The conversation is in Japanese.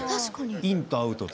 インとアウトと。